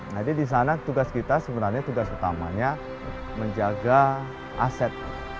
jadi di sana tugas kita sebenarnya tugas utamanya menjaga aset